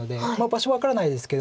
場所分からないですけど